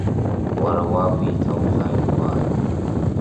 Уара уаб еиҭаузааихәааит…